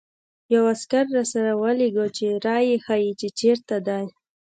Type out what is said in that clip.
یو عسکر راسره ولېږه چې را يې ښيي، چې چېرته ده.